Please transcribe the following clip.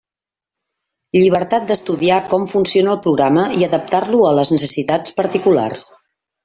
Llibertat d'estudiar com funciona el programa i adaptar-lo a les necessitats particulars.